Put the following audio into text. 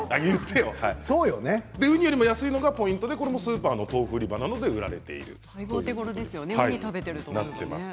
ウニよりも安いのがポイントでスーパーの豆腐売り場などで売られています。